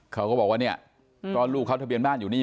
เขาก็บอกว่าเนี่ยก็ลูกเขาทะเบียนบ้านอยู่นี่